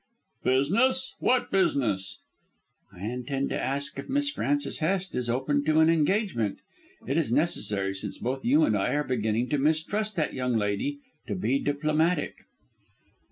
"Business? What business?" "I intend to ask if Miss Frances Hest is open to an engagement. It is necessary, since both you and I are beginning to mistrust that young lady, to be diplomatic."